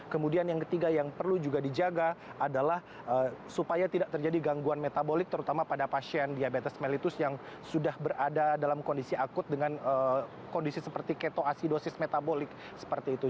kemudian yang ketiga yang perlu juga dijaga adalah supaya tidak terjadi gangguan metabolik terutama pada pasien diabetes mellitus yang sudah berada dalam kondisi akut dengan kondisi seperti ketoasidosis metabolik seperti itu